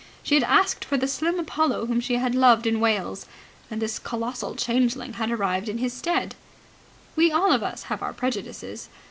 She had asked for the slim Apollo whom she had loved in Wales, and this colossal changeling had arrived in his stead. We all of us have our prejudices.